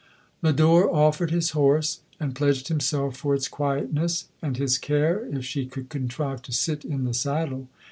Lodore offered his horse, and pledged himself for its quietness, and his care, if she could contrive to sit in the saddle.